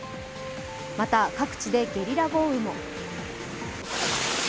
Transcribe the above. また、各地でゲリラ豪雨も。